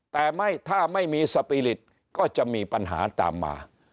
แต่ถ้าไม่มีสปีริตก็จะมีปัญหาตามมา